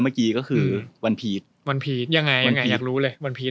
เมื่อกี้ก็คือวันพีชวันพีชยังไงยังไงอยากรู้เลยวันพีช